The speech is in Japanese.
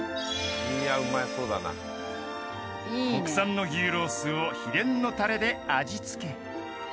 ［国産の牛ロースを秘伝のたれで味付け］